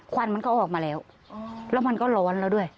ควันมันก็ออกมาแล้วแล้วมันก็ร้อนแล้วด้วย